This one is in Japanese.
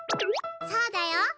そうだよ。